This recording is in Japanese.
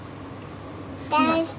大好き。